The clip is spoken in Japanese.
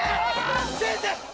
先生！